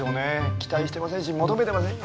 期待してませんし求めてませんよ。